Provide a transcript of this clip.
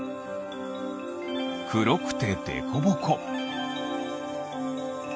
くろくてデコボコ。